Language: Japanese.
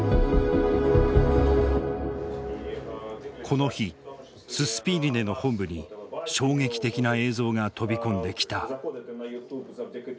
この日ススピーリネの本部に衝撃的な映像が飛び込んできた。